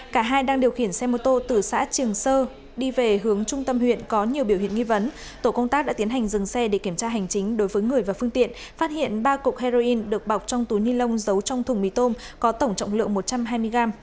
cả hai đang điều khiển xe mô tô từ xã trường sơ đi về hướng trung tâm huyện có nhiều biểu hiện nghi vấn tổ công tác đã tiến hành dừng xe để kiểm tra hành chính đối với người và phương tiện phát hiện ba cục heroin được bọc trong túi ni lông giấu trong thùng mì tôm có tổng trọng lượng một trăm hai mươi gram